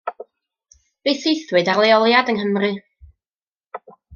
Fe'i saethwyd ar leoliad yng Nghymru.